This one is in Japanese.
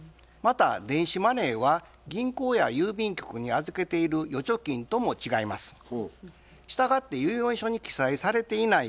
また電子マネーは銀行や郵便局に預けている預貯金とも違います。